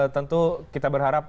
tentu kita berharap